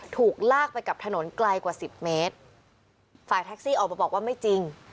ถูกลากไปกับถนนไกลกว่าสิบเมตรฝ่ายแท็กซี่ออกมาบอกว่าไม่จริง